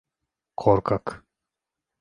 Korkak.